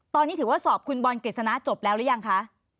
ตอนนี้ถือว่าสอบคุณบอลกฤษณะจบแล้วหรือยังคะ